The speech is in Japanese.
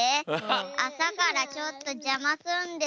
あさからちょっとじゃますんで」。